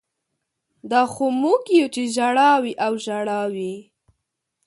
دا خو موږ یو چې ژړا وي او ژړا وي